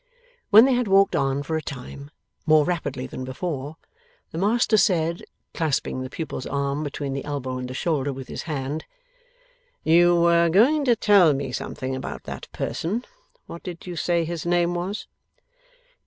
When they had walked on for a time, more rapidly than before, the master said, clasping the pupil's arm between the elbow and the shoulder with his hand: 'You were going to tell me something about that person. What did you say his name was?